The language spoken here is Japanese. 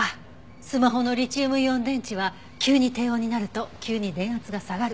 スマホのリチウムイオン電池は急に低温になると急に電圧が下がる。